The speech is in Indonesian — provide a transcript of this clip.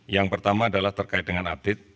yang pertama adalah terkait dengan update